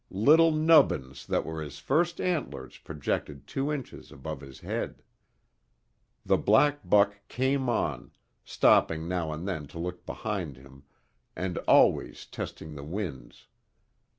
Little nubbins that were his first antlers projected two inches above his head. The black buck came on, stopping now and then to look behind him and always testing the winds.